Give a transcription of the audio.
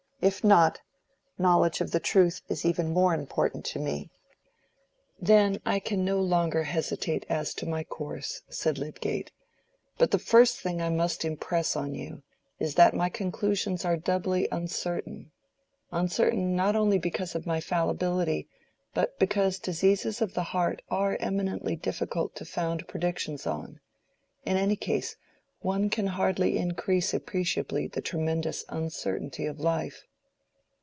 If not, knowledge of the truth is even more important to me." "Then I can no longer hesitate as to my course," said Lydgate; "but the first thing I must impress on you is that my conclusions are doubly uncertain—uncertain not only because of my fallibility, but because diseases of the heart are eminently difficult to found predictions on. In any case, one can hardly increase appreciably the tremendous uncertainty of life."